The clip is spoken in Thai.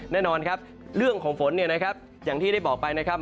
แน่นอนครับเรื่องของฝนอย่างที่ได้บอกไปนะครับ